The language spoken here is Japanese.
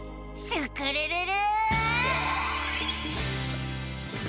スクるるる！」